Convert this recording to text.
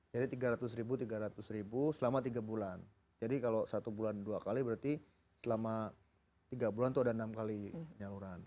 jadi tiga ratus ribu tiga ratus ribu selama tiga bulan jadi kalau satu bulan dua kali berarti selama tiga bulan itu ada enam kali penyaluran